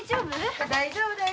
大丈夫？